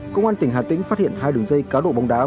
công an tỉnh hà tĩnh phát hiện hai đường dây cá độ bóng đá